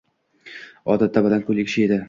Ota baland boʻyli kishi edi.